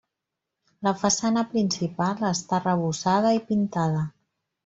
La façana principal està arrebossada i pintada.